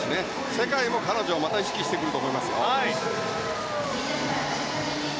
世界も彼女をまた意識してくると思いますよ。